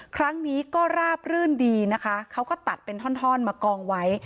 ครั้งนี้ก็ราบรื่นดีนะคะเขาก็ตัดเป็นท่อนมากองไว้